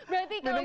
berarti kalau gitu